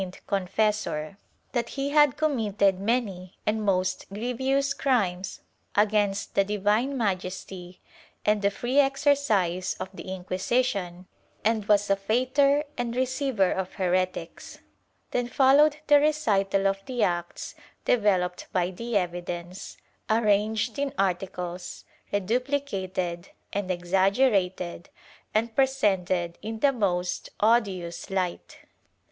42 THE TRIAL [Book VI feigned confessor; that he had committed many and most grievous crimes against the divine majesty and the free exercise of the Inquisition, and was a fautor and receiver of heretics. Then followed the recital of the acts developed by the evidence, arranged in articles, reduplicated and exaggerated and presented in the most odious light.